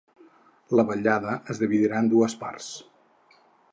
La vetllada es dividirà en dues parts.